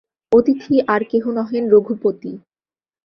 অতিথি আর কেহ নহেন, রঘুপতি।